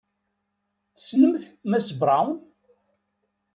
Tessnemt Mass Brown?